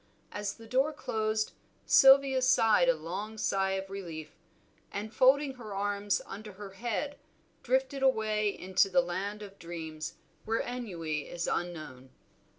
As the door closed, Sylvia sighed a long sigh of relief, and folding her arms under her head drifted away into the land of dreams, where ennui is unknown.